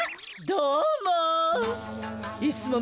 どうも。